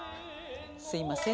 「すいません」